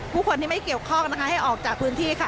ผู้คนที่ไม่เกี่ยวข้องนะคะให้ออกจากพื้นที่ค่ะ